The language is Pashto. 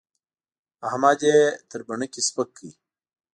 احمد يې تر بڼکې سپک کړ.